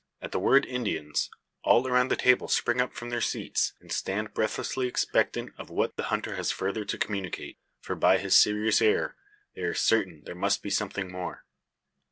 At the word "Indians," all around the table spring up from their seats, and stand breathlessly expectant of what the hunter has further to communicate. For, by his serious air, they are certain there must be something more.